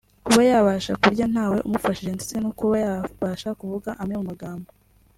kuba yabasha kurya nta we umufashije ndetse no kuba yabasha kuvuga amwe mu magambo